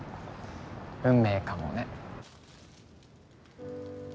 運命かもね。